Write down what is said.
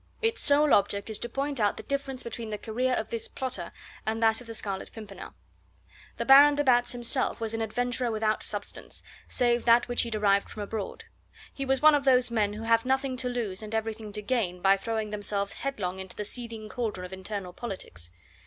Its sole object is to point out the difference between the career of this plotter and that of the Scarlet Pimpernel. The Baron de Batz himself was an adventurer without substance, save that which he derived from abroad. He was one of those men who have nothing to lose and everything to gain by throwing themselves headlong in the seething cauldron of internal politics.